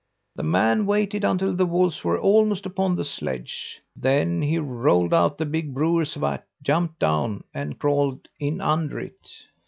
"The man waited until the wolves were almost upon the sledge. Then he rolled out the big brewer's vat, jumped down, and crawled in under it.